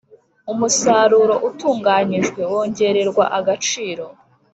Umusaruro utunganyijwe wongererwa agaciro.